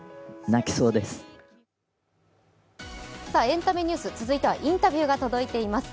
エンタメニュース、続いてはインタビューが届いています。